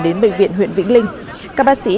đến bệnh viện huyện vĩnh linh các bác sĩ